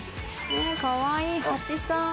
かわいい蜂さん。